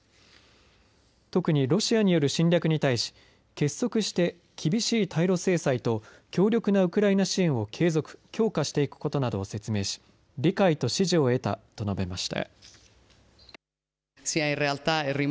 特にロシアによる侵略に対し結束して厳しい対ロ制裁と強力なウクライナ支援を継続強化していくことなどを説明し、理解と支持を得たと述べました。